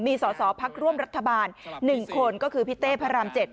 มีสอสอพักร่วมรัฐบาล๑คนก็คือพี่เต้พระราม๗